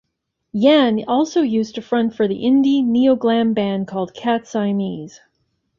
Yan also used to front for the indie neo-glam band called Cat Siamese.